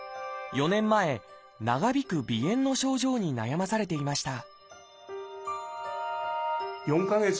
４年前長引く鼻炎の症状に悩まされていました